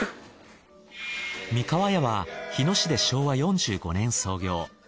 三河屋は日野市で昭和４５年創業。